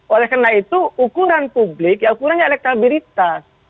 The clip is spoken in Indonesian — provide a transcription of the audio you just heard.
oleh karena itu ukuran publik ya ukurannya elektabilitas